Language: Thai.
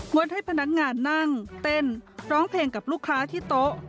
ดให้พนักงานนั่งเต้นร้องเพลงกับลูกค้าที่โต๊ะ